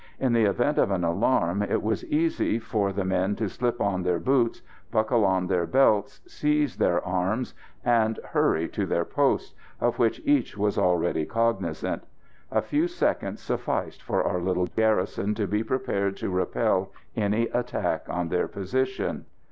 In the event of an alarm it was easy for the men to slip on their boots, buckle on their belts, seize their arms and hurry to their posts, of which each was already cognisant. A few seconds sufficed for our little garrison to be prepared to repel any attack on their position.